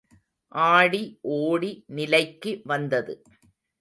ஆடி ஓடி நிலைக்கு வந்தது.